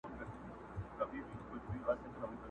شرنګ د بلبلو په نغمو کي د سیالۍ نه راځي٫